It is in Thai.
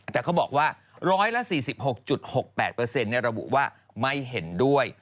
แต่เขาบอกว่า๑๔๖๖๘ระบุว่าไม่เห็นด้วย